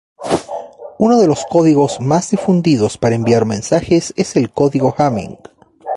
Uno de los códigos más difundidos para enviar mensajes es el código Hamming.